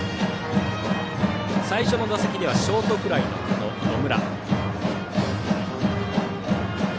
最初の打席ではショートフライでした、野村。